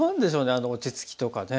あの落ち着きとかね。